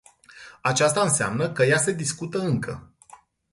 Aceasta înseamnă că ea se discută încă.